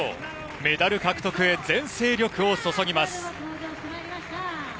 メダル獲得へ、全精力を注ぎます。